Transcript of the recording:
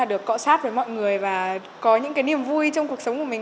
được cọ sát với mọi người và có những cái niềm vui trong cuộc sống của mình